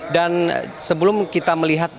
dan sebelum kita melihat